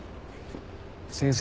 先生